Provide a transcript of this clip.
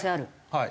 はい。